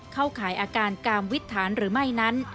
ขายอาการกามวิทธานหรือไม่นั้น